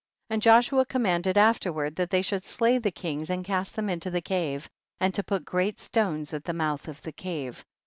28. And Joshua commanded af terward that they should slay the kings and cast them into the cave, and to put great stones at the mouth of the cave.